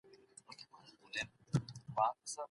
په ځانګړي ډول ایران هيواد رسنۍ دي، چي له دې